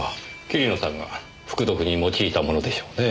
桐野さんが服毒に用いたものでしょうね。